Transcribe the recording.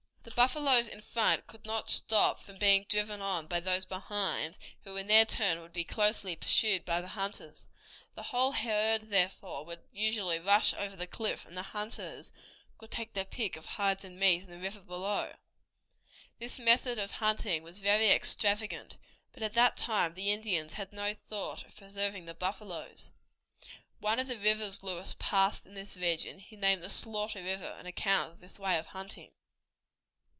The buffaloes in front could not stop being driven on by those behind, who in their turn would be closely pursued by the hunters. The whole herd, therefore, would usually rush over the cliff, and the hunters could take their pick of hides and meat in the river below. This method of hunting was very extravagant, but at that time the Indians had no thought of preserving the buffaloes. One of the rivers Lewis passed in this region he named the Slaughter River, on account of this way of hunting.